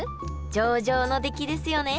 上々の出来ですよね！